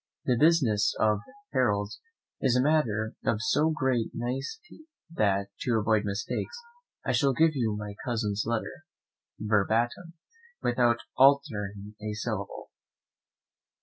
The business of heralds is a matter of so great nicety that, to avoid mistakes, I shall give you my cousin's letter, verbatim, without altering a syllable.